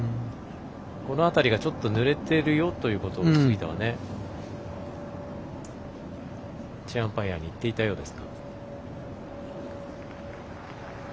この辺りが、ちょっとぬれてるよということを杉田はチェアアンパイアに言っていたようです。